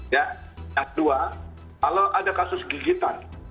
ya yang kedua kalau ada kasus gigitan